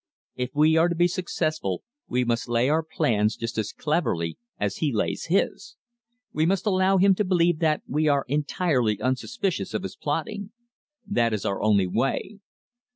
If we are to be successful we must lay our plans just as cleverly as he lays his. We must allow him to believe that we are entirely unsuspicious of his plotting. That is our only way."